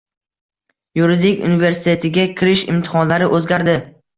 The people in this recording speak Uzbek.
Yuridik universitetiga kirish imtixonlari o‘zgarding